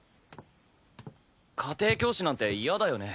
家庭教師なんて嫌だよね。